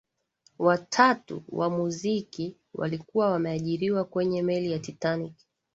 watatu wa muziki walikuwa wameajiriwa kwenye meli ya titanic